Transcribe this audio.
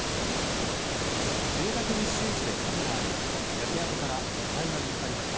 住宅密集地で火事があり焼け跡から遺体が見つかりました。